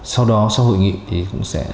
sau đó sau hội nghị thì cũng sẽ